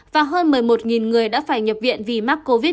và hơn một mươi một người đã phải nhập viện vì mắc covid một mươi chín